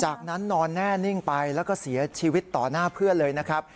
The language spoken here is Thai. จากนั้นนอนแน่นิ่งไปแล้วก็เสียชีวิตต่อหน้าเพื่อนเลยนะครับ